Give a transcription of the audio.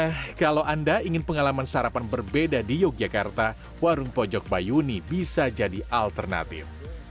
nah kalau anda ingin pengalaman sarapan berbeda di yogyakarta warung pojok bayuni bisa jadi alternatif